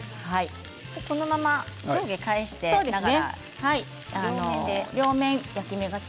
このまま上下を返しながら両面で。